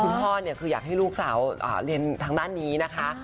คุณพ่อเนี่ยคืออยากให้ลูกสาวเรียนทางด้านนี้นะคะ